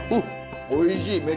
おいしい！